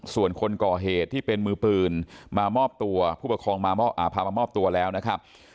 ส่วนคนก่อเหตุที่เป็นมือปืนมามอบตัวผู้ปกครองมาพามามอบตัวแล้วนะครับ